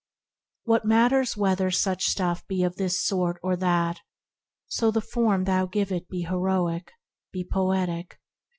What matters whether such stuff be of this sort or that, so the form thou give it be heroic, be poetic